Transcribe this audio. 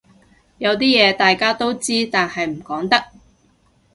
有啲嘢大家都知但係唔講得